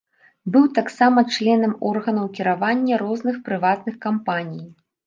Быў таксама членам органаў кіравання розных прыватных кампаніі.